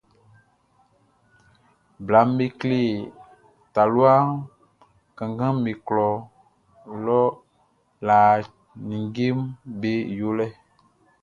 Blaʼm be kle talua kannganʼm be klɔ lɔ lã ninngeʼm be yolɛ.